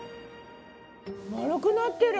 丸くなってる！